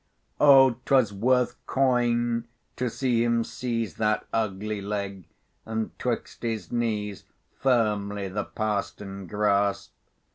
Oh! 'twas worth coin to see him seize That ugly leg, and 'twixt his knees Firmly the pastern grasp.